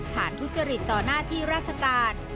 ทุจริตต่อหน้าที่ราชการ